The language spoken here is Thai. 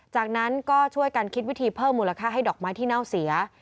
จากนั้นก็ช่วยกันคิดวิธีเพิ่มมูลค่าให้ดอกไม้ที่เน่าเสีย